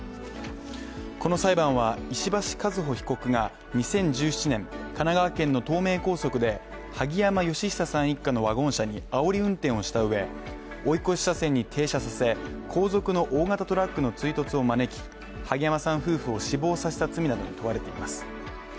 この裁判は、石橋和歩被告が２０１７年、神奈川県の東名高速で、萩山嘉久さん一家のワゴン車にあおり運転をしたうえ、追い越し車線に停車させ、後続の大型トラックの追突を招き、萩山さん夫婦を死亡させた罪などに問われています。